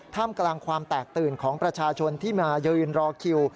ท่ามกลางความแตกตื่นของประชาชนที่มายืนรอคิว